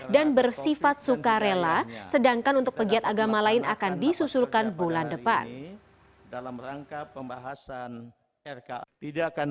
dan bersifat sukarela sedangkan untuk pegiat agama lain akan disusulkan bulan depan